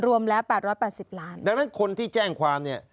รวมแล้ว๘๘๐ล้านดังนั้นคนที่แจ้งความเนี่ย